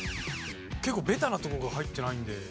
結構ベタなとこが入ってないんで。